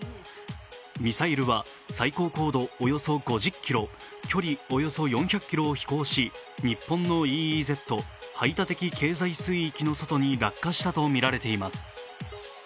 ミサイルは最高高度およそ５０ｋｍ、距離およそ４００ｋｍを飛行し日本のＥＥＺ＝排他的経済水域の外に落下したとみられています。